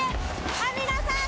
網野さん